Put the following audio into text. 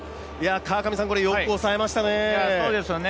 川上さん、よく抑えましたね。